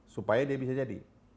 supaya dia bisa jadi